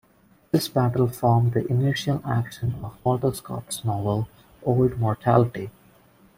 This battle formed the initial action of Walter Scott's novel "Old Mortality".